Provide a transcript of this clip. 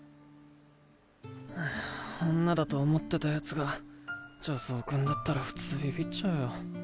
女だと思ってたヤツが女装君だったら普通ビビっちゃうよ。